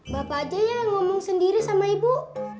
bapak aja ya yang ngomong sendiri sama ibu